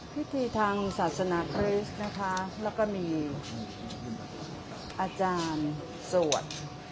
พิธีทางศาสนาคริสต์นะคะแล้วก็มีอาจารย์สวด